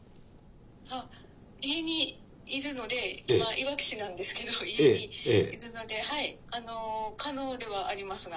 あ家にいるので今いわき市なんですけど家にいるのではい可能ではありますが。